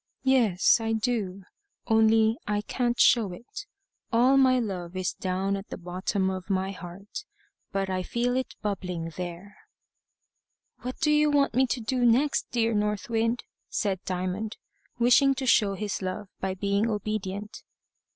"Yes I do. Only I can't show it. All my love is down at the bottom of my heart. But I feel it bubbling there." "What do you want me to do next, dear North Wind?" said Diamond, wishing to show his love by being obedient.